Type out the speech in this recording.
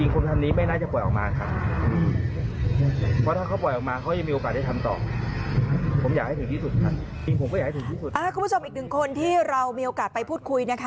คุณผู้ชมอีกหนึ่งคนที่เรามีโอกาสไปพูดคุยนะคะ